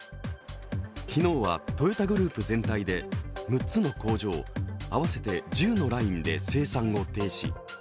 昨日はトヨタグループ全体で６つの工場合わせて１０のラインで生産を停止。